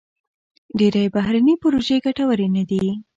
ډېری بهرني پروژې ګټورې نه دي.